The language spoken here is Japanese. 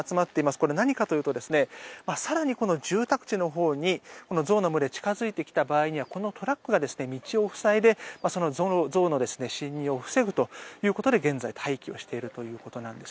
これ、何かというと更にこの住宅地のほうに象の群れが近付いてきた場合にはこのトラックが道を塞いでその象の進入を防ぐということで現在、待機をしているということなんです。